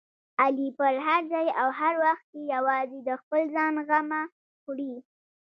علي په هر ځای او هر وخت کې یوازې د خپل ځان غمه خوري.